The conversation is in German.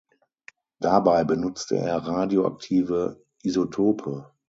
Dabei benutzte er radioaktive Isotope.